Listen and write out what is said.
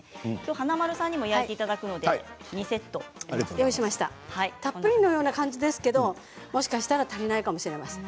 華丸さんにも焼いていただくのでたっぷりのような感じですけれどももしかしたら足りないかもしれません。